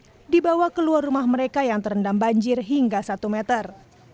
balita dan warga lansia ini dibawa ke luar rumah mereka yang terendam banjir hingga satu meter